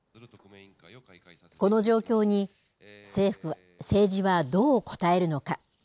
この状況に、政治はどう応えるのか。